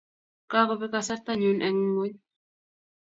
Kakobek kasarta nyu eng ngony.